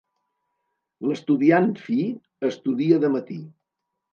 L'estudiant fi estudia de matí.